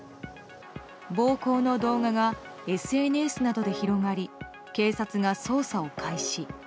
暴行の動画がＳＮＳなどで広がり警察が捜査を開始。